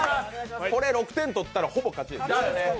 ６点取ったらほぼ勝ちです。